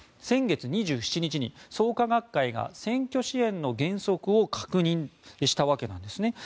先月２７日に創価学会が選挙支援の原則を確認したわけです。